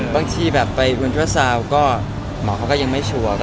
บางทีแบบไปเอิร์นดราซาวหรือก็หมอก็ยังไม่ชัวร์